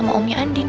abaikan pak anding